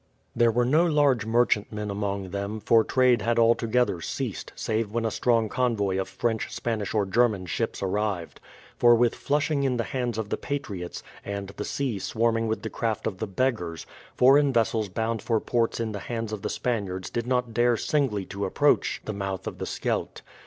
There were no large merchantmen among them, for trade had altogether ceased, save when a strong convoy of French, Spanish, or German ships arrived. For with Flushing in the hands of the patriots, and the sea swarming with the craft of the beggars, foreign vessels bound for ports in the hands of the Spaniards did not dare singly to approach the mouth of the Scheldt.